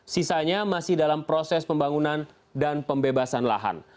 sisanya masih dalam proses pembangunan dan pembebasan lahan